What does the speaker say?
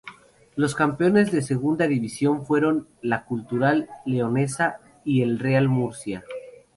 Los campeones de Segunda División fueron la Cultural Leonesa y el Real Murcia.